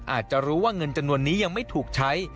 อาจจะรู้ว่าเงินจำนวนนี้ยังไม่ถูกใช้